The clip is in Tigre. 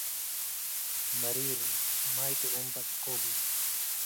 መሪር፣ ማይ ጥዑም በጽሖ ቡ።